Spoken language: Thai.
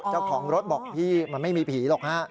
เจ้าของรถบอกพี่มันไม่มีผีหรอกฮะ